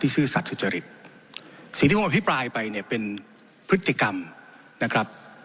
ซื่อสัตว์สุจริตสิ่งที่ผมอภิปรายไปเนี่ยเป็นพฤติกรรมนะครับ